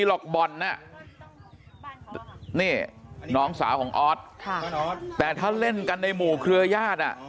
หรอกบ่อนน่ะนี่น้องสาวของออสค่ะแต่ถ้าเล่นกันในหมู่เครือญาติอ่ะ